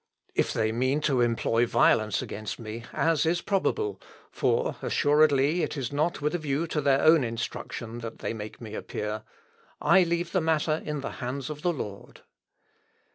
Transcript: If they mean to employ violence against me, as is probable, (for assuredly it is not with a view to their own instruction that they make me appear,) I leave the matter in the hands of the Lord.